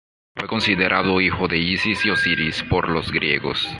Fue considerado hijo de Isis y Osiris por los griegos.